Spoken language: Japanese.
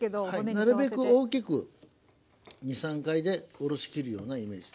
なるべく大きく２３回でおろし切るようなイメージですね。